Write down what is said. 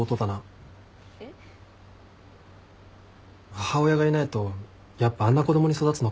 母親がいないとやっぱあんな子供に育つのか。